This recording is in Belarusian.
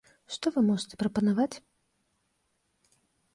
Што вы можаце прапанаваць?